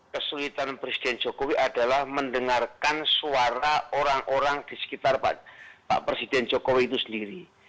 kesulitan presiden jokowi adalah mendengarkan suara orang orang di sekitar pak presiden jokowi itu sendiri